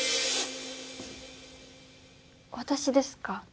私ですか？